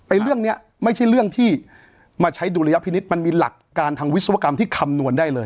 เรื่องนี้ไม่ใช่เรื่องที่มาใช้ดุลยพินิษฐ์มันมีหลักการทางวิศวกรรมที่คำนวณได้เลย